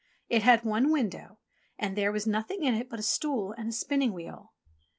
It had one window, and there was nothing in it but a stool and a spinning wheel.